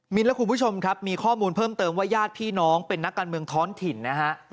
และคุณผู้ชมครับมีข้อมูลเพิ่มเติมว่าญาติพี่น้องเป็นนักการเมืองท้อนถิ่นนะฮะ